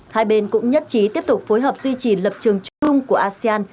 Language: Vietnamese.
hai bên cũng nhất trí tiếp tục phối hợp duy trì lập trường chung của asean